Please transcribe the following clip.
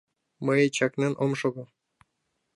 — Мый чакнен ом шого...